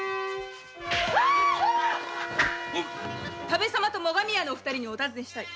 田部様と最上屋の二人にお尋ねしたい。